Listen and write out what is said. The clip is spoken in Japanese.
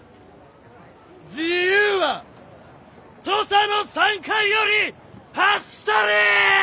自由は土佐の山間より発したり！